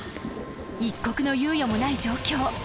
［一刻の猶予もない状況］